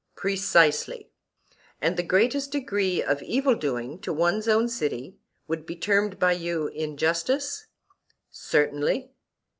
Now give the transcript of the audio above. Precisely. And the greatest degree of evil doing to one's own city would be termed by you injustice? Certainly.